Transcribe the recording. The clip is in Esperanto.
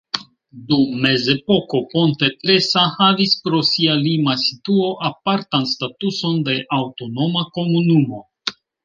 Dum mezepoko Ponte Tresa havis pro sia lima situo apartan statuson de aŭtonoma komunumo.